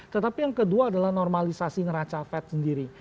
tetapi yang kedua adalah normalisasi ngeraca fed sendiri